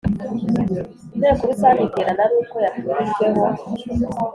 Inteko Rusange iterana aruko yatumijweho